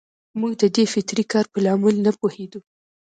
موږ د دې فطري کار په لامل نه پوهېدو.